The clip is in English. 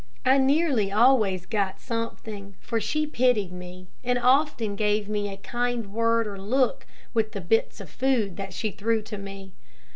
I nearly always got something, for she pitied me, and often gave me a kind word or look with the bits of food that she threw to me.